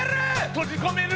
閉じ込める